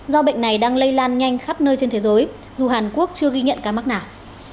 do bệnh này đang lây lan nhanh khắp nơi trên thế giới dù hàn quốc chưa ghi nhận ca mắc nào